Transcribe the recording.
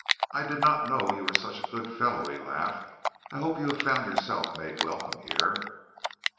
"I did not know you were such a good fellow," he laughed. "I hope you have found yourself made welcome here."